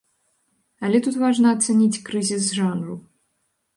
Але тут важна ацаніць крызіс жанру.